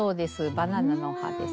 「バナナの葉」です。